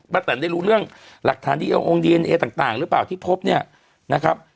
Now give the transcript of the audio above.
ป้าแต่นได้รู้เรื่องหลักฐานดีเอ็นโอ้งดีเอนเอต่างหรือเปล่าที่พบ